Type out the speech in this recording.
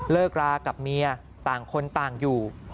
เลิกรากับเมียต่างคนต่างอยู่